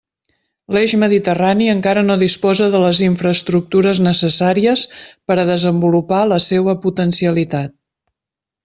L'eix mediterrani encara no disposa de les infraestructures necessàries per a desenvolupar la seua potencialitat.